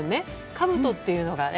かぶとっていうのがね。